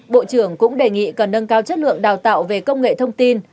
bộ trưởng cũng đề nghị cần nâng cao chất lượng đào tạo về công nghệ thông tin